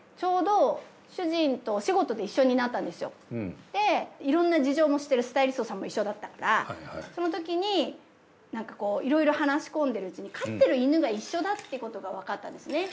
それででいろんな事情も知ってるスタイリストさんも一緒だったからそのときになんかこういろいろ話し込んでるうちに飼ってる犬が一緒だってことがわかったんですね。